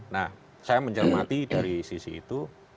nah saya mencermati dari sisi itu